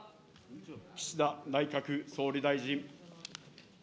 岸田内閣総理大臣。